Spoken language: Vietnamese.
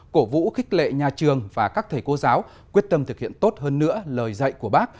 cổ vũ khích lệ nhà trường và các thầy cô giáo quyết tâm thực hiện tốt hơn nữa lời dạy của bác